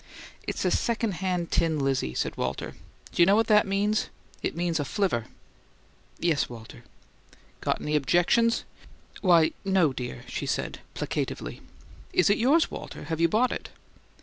"It's a second hand tin Lizzie," said Walter. "D'you know what that means? It means a flivver." "Yes, Walter." "Got 'ny 'bjections?" "Why, no, dear," she said, placatively. "Is it yours, Walter? Have you bought it?"